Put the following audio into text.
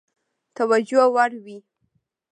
توجیه وړ وي.